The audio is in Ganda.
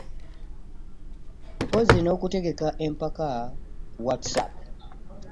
Mpozzi n'okuteeka empaaba ku Whatsapp